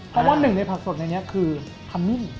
เพราะว่าหนึ่งในผักสดในนี้คือขมิ้น